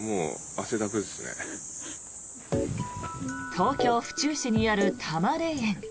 東京・府中市にある多磨霊園。